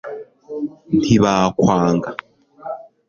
ntibakwanga